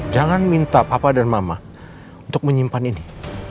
jangan minta papa dan mama untuk menyimpan ini